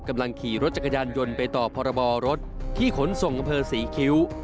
กำลังขี่รถจักรยานยนต์ไปต่อพรบรถที่ขนส่งอำเภอศรีคิ้ว